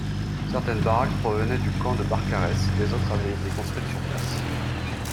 Certaines baraques provenaient du camp de Barcarès, les autres avaient été construites sur place.